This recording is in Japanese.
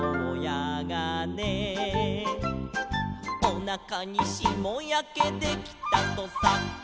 「おなかにしもやけできたとさ」